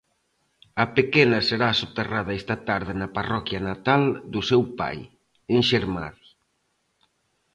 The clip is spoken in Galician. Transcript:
A pequena será soterrada esta tarde na parroquia natal do seu pai, en Xermade.